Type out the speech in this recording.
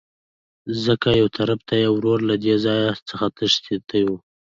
ځکه يوطرف ته يې ورور له دې ځاى څخه تښى وو.